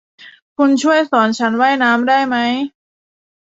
คุณช่วยสอนฉันว่ายน้ำได้มั้ย